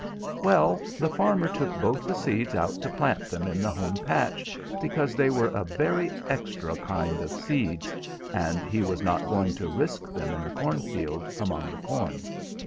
"Well, the farmer took both the seeds out to plant them in the home patch, because they were a very extra kind of seeds, and he was not going to risk them in the cornfield, among the corn.